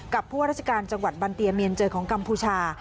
ผู้ว่าราชการจังหวัดบันเตียเมียนเจอของกัมพูชา